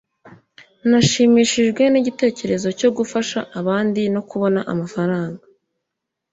nashimishijwe nigitekerezo cyo gufasha abandi no kubona amafaranga